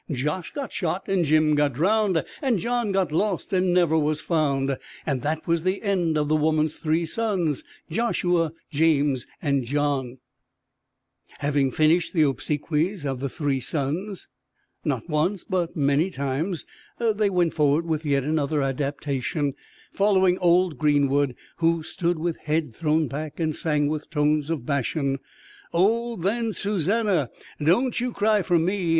Josh got shot, and Jim got drowned, And John got lost and never was found, And that was the end of the woman's three sons, Joshua, James and John_. Having finished the obsequies of the three sons, not once but many times, they went forward with yet another adaptation, following Old Greenwood, who stood with head thrown back and sang with tones of Bashan: _Oh, then Susannah, Don't you cry fer me!